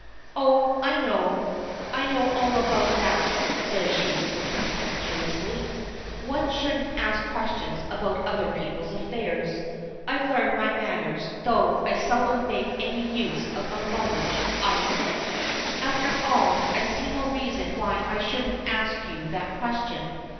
"Oh, I know. I know all about that," says she, contemptuously. "One shouldn't ask questions about other people's affairs; I've learned my manners, though I seldom make any use of my knowledge, I admit. After all, I see no reason why I shouldn't ask you that question.